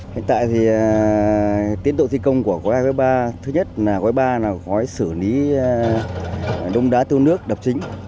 hiện tại thì tiến độ thi công của quái ba thứ nhất là quái ba là quái sửa ní đông đá tư nước đập chính